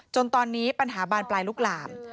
จนตอนนี้ปัญหาบานปลายลุกหลาม